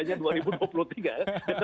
jadi sekadarnya dua ribu dua puluh tiga